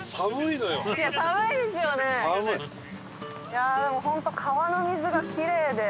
いやあでも本当川の水がキレイで。